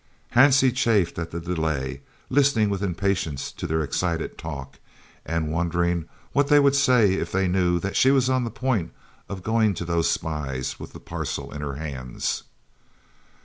Hansie chafed at the delay, listening with impatience to their excited talk, and wondering what they would say if they knew that she was on the point of going to those spies with the parcel in her hands.